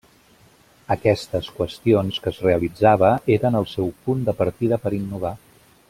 Aquestes qüestions que es realitzava eren el seu punt de partida per innovar.